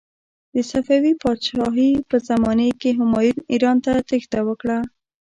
د صفوي پادشاهي په زمانې کې همایون ایران ته تیښته وکړه.